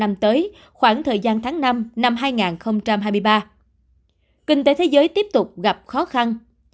năm tới khoảng thời gian tháng năm năm hai nghìn hai mươi ba kinh tế thế giới tiếp tục gặp khó khăn